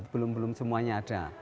belum belum semuanya ada